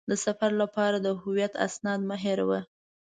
د سفر لپاره د هویت اسناد مه هېروه.